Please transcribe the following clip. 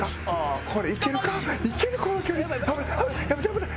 危ない！